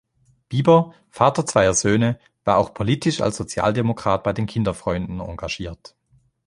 Bieber, Vater zweier Söhne, war auch politisch als Sozialdemokrat bei den Kinderfreunden engagiert.